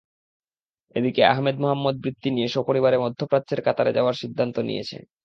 এদিকে আহমেদ মোহাম্মদ বৃত্তি নিয়ে সপরিবারে মধ্যপ্রাচ্যের কাতারে যাওয়ার সিদ্ধান্ত নিয়েছে।